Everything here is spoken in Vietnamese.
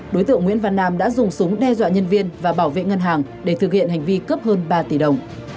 đối tượng nguyễn văn nam đã dùng súng đe dọa nhân viên và bảo vệ ngân hàng để thực hiện hành vi cướp hơn ba tỷ đồng